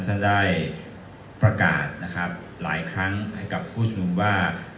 ท่านได้ประกาศนะครับหลายครั้งให้กับผู้ชมนุมว่า